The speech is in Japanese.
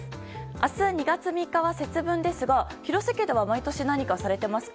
明日２月３日は節分ですが廣瀬家では、毎年何かされてますか？